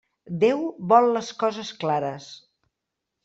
Déu vol les coses clares.